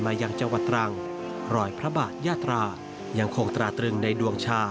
ยังจังหวัดตรังรอยพระบาทยาตรายังคงตราตรึงในดวงชา